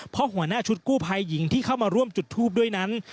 เพราะหัวหน้าชุดกู้ภัยหญิงที่เข้ามาร่วมจุดทูปด้วยนั้น